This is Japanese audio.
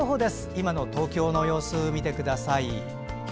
今の東京の様子を見てください。